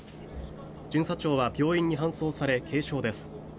巡査長は病院に搬送され軽傷です。